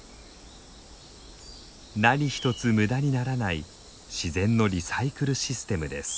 何一つ無駄にならない自然のリサイクルシステムです。